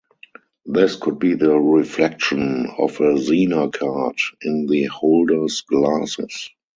This could be the reflection of a Zener card in the holder's glasses.